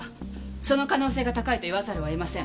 その可能性が高いと言わざるをえません。